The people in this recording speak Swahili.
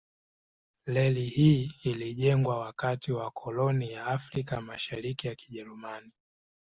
Reli hii ilijengwa wakati wa koloni ya Afrika ya Mashariki ya Kijerumani.